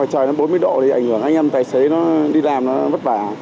ngoài trời nó bốn mươi độ thì ảnh hưởng anh em tài xế đi làm nó vất vả